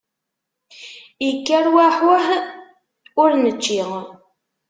Ikker waḥuh ur nečči.